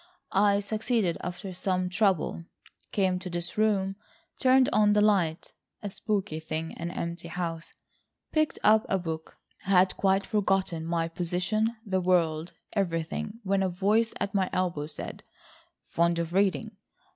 I succeeded after some trouble, came to this room, turned on the light—a spooky thing; an empty house, picked up a book, had quite forgotten my position, the world, everything, when a voice at my elbow said: 'Fond of reading?